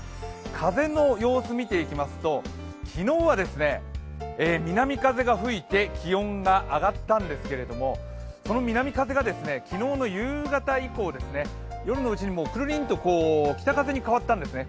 風の様子を見ていきますと、昨日は南風が吹いて気温が上がったんですけれどもその南風が昨日の夕方以降、夜のうちにくるりんと北風に変わったんですね